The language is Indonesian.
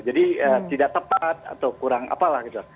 jadi tidak tepat atau kurang apalah gitu